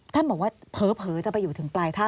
ท่านบอกว่าเผลอจะไปอยู่ถึงปลายถ้ำ